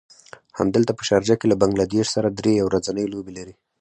همدلته په شارجه کې له بنګله دېش سره دری يو ورځنۍ لوبې لري.